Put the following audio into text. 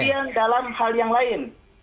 kemudian dalam hal yang lain